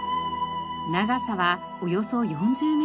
長さはおよそ４０メートル。